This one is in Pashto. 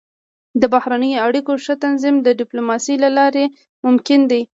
د بهرنیو اړیکو ښه تنظیم د ډيپلوماسۍ له لارې ممکن دی.